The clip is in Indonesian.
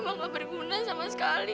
emang gak berguna sama sekali